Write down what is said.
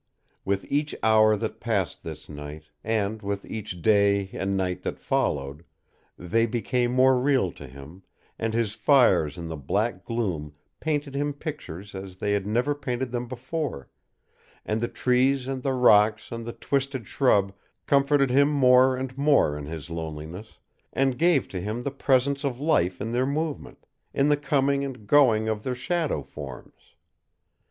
With each hour that passed this night, and with each day and night that followed, they became more real to him, and his fires in the black gloom painted him pictures as they had never painted them before, and the trees and the rocks and the twisted shrub comforted him more and more in his loneliness, and gave to him the presence of life in their movement, in the coming and going of their shadow forms.